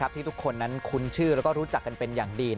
ที่ทุกคนนั้นคุ้นชื่อแล้วก็รู้จักกันเป็นอย่างดี